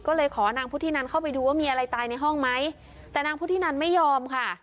ก็เลยขอนางพุทธินันเข้าไปดูว่ามีอะไรตายในห้องไหมแต่นางพุทธินันไม่ยอมค่ะ